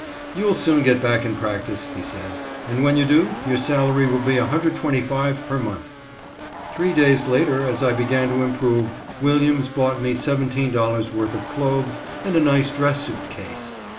"You'll soon get back in practice," he said, "and when you do, your salary will be $125.00 per month." Three days later, as I began to improve, Williams bought me $17.00 worth of clothes and a nice dress suit case.